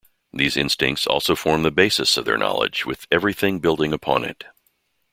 These instincts also form the basis of their knowledge with everything building upon it.